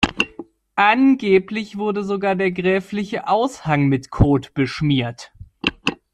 Angeblich wurde sogar der gräfliche Aushang mit Kot beschmiert.